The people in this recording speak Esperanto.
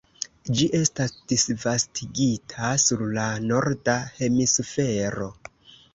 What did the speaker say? Ĝi estas disvastigita sur la norda hemisfero.